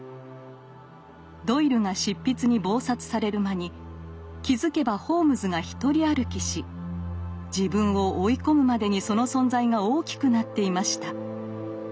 ドイルが執筆に忙殺される間に気付けばホームズが独り歩きし自分を追い込むまでにその存在が大きくなっていました。